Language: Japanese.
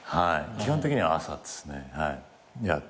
基本的には朝ですね。